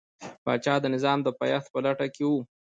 پاچا د نظام د پایښت په لټه کې و.